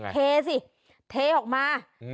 เทสิเทออกมา